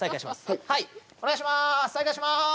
はいはいお願いします